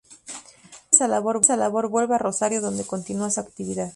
Concluida esa labor vuelve a Rosario donde continúa su actividad.